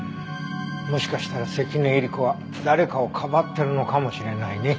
もしかしたら関根えり子は誰かをかばっているのかもしれないね。